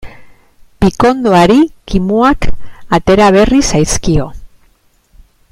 Pikondoari kimuak atera berri zaizkio.